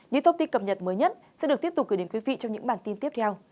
những thông tin cập nhật mới nhất sẽ được tiếp tục gửi đến quý vị trong những bản tin tiếp theo